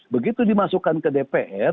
begitu dimasukkan ke dpr